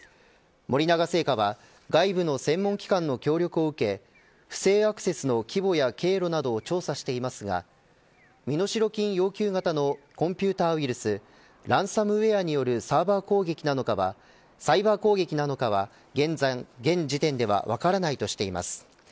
森永製菓は外部の専門機関の協力を受け不正アクセスの規模や経路などを調査していますが身代金要求型のコンピューターウイルスランサムウェアによるサイバー攻撃なのかはサイバー攻撃なのかは現時点では分からないとしています。